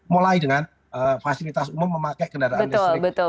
mulai dengan fasilitas umum memakai kendaraan listrik